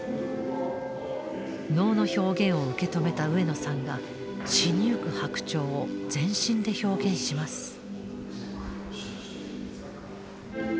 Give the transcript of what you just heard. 能の表現を受け止めた上野さんが死にゆく白鳥を全身で表現します。